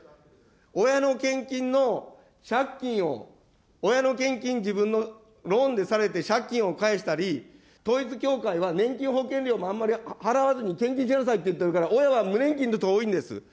親の献金の借金を、親の献金、自分のローンでされて、借金を返したり、統一教会は年金保険料もあんまり払わずに献金しなさいって言ってるから、親は無年金の人が多いんです。